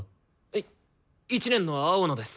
い１年の青野です。